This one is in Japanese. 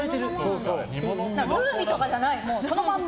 風味とかじゃなくてそのまま。